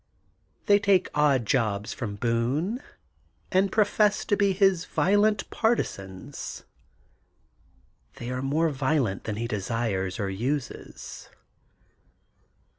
They take odd jobs from Boone and profess to be his violent partizans. They are more violent than he desires or uses.